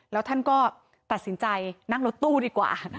แล้วท่านก็ตัดสินใจนั่งรถตู้ดีกว่า